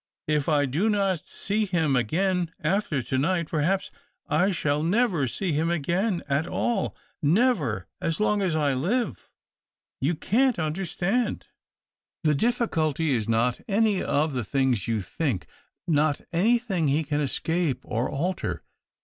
If I do not see him again after to night, perhaps I shall never see him again at all, never as long as I live. You can't understand. THE OCTAVE OP CLAUDIUS. 269 The difficulty is not any of the things you think — not anything he can escape or alter.